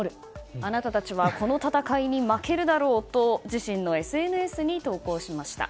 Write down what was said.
あなたたちはこの戦いに負けるだろうと自身のＳＮＳに投稿しました。